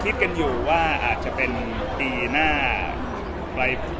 คิดกันอยู่ว่าอาจจะเป็นปีหน้าก็อาจจะเริ่มมีแฟน